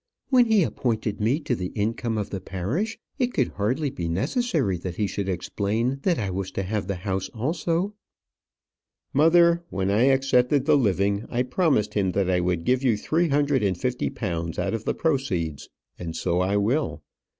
"When he appointed me to the income of the parish, it could hardly be necessary that he should explain that I was to have the house also." "Mother, when I accepted the living, I promised him that I would give you three hundred and fifty pounds out of the proceeds; and so I will.